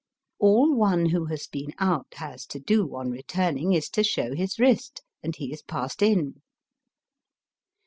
All one who has been out has to do on returning is to show his wrist, and he is passed in.